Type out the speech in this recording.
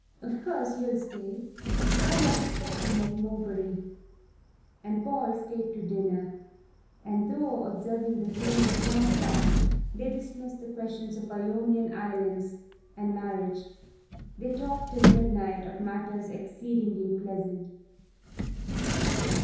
"Of course you'll stay. I left Stephanie at Morebury." And Paul stayed to dinner, and though, observing the flimsy compact, they dismissed the questions of Ionian islands and marriage, they talked till midnight of matters exceedingly pleasant.